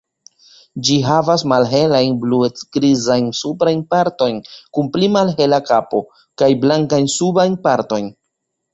Ĝi havas malhelajn, bluec-grizajn suprajn partojn kun pli malhela kapo, kaj blankajn subajn partojn.